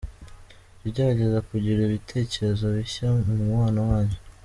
Jya ugerageza kugira ibitekerezo bishya mu mubano wanyu.